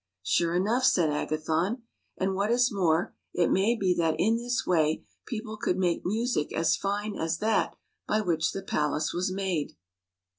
" "Sure enough!" said Agathon. "And what is more, it may be that in this way people could make music as fine as that by which the palace was made."